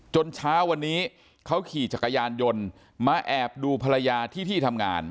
เช้าวันนี้เขาขี่จักรยานยนต์มาแอบดูภรรยาที่ที่ทำงาน